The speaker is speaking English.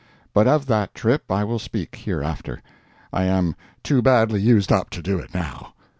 But of that trip I will speak hereafter. I am too badly used up to do it now.